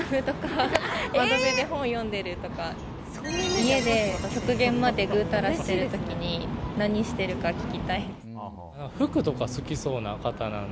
家で極限までぐうたらしてる時に何してるか聞きたい。